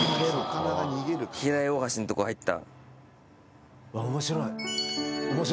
平井大橋んとこ入った。